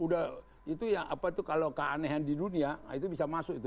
udah itu ya apa itu kalau keanehan di dunia itu bisa masuk itu